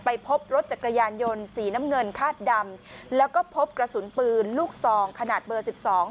พบรถจักรยานยนต์สีน้ำเงินคาดดำแล้วก็พบกระสุนปืนลูกซองขนาดเบอร์สิบสอง